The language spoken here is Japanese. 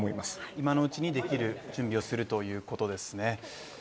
今のうちにできる準備をするということですね。